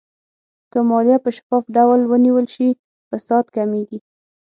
که مالیه په شفاف ډول ونیول شي، فساد کمېږي.